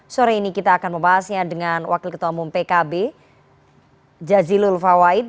sore ini kita akan membahasnya dengan wakil ketua umum pkb jazilul fawait